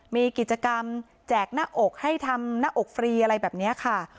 มีกิจกรรมแจกหน้าอกให้ทำหน้าอกฟรีอะไรแบบนี้ค่ะ